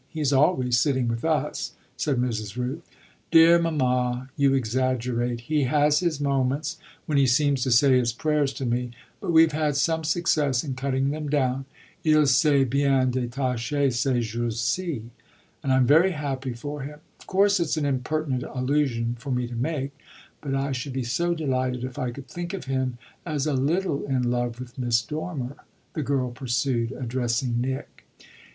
He's always sitting with us," said Mrs. Rooth. "Dear mamma, you exaggerate. He has his moments when he seems to say his prayers to me; but we've had some success in cutting them down. Il s'est bien détaché ces jours ci, and I'm very happy for him. Of course it's an impertinent allusion for me to make; but I should be so delighted if I could think of him as a little in love with Miss Dormer," the girl pursued, addressing Nick.